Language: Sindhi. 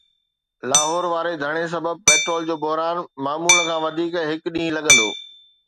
لاهور واري ڌرڻي سبب پيٽرول جو بحران معمول کان وڌيڪ هڪ ڏينهن لڳندو